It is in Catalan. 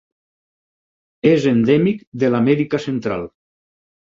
És endèmic de l'Amèrica Central: